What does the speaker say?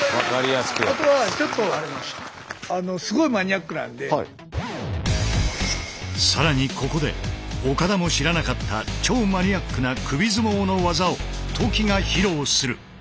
あとはちょっと更にここで岡田も知らなかった超マニアックな首相撲の技を鴇が披露する。